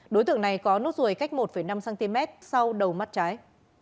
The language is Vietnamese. đối tượng này có nốt ruồi cách một năm cm sau đầu mắt trái